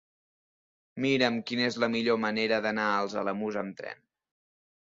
Mira'm quina és la millor manera d'anar als Alamús amb tren.